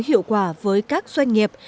hiệu quả với các doanh nghiệp